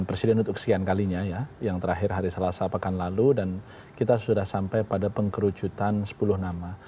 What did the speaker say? dan presiden untuk kesian kalinya ya yang terakhir hari selasa pekan lalu dan kita sudah sampai pada pengkerucutan sepuluh nama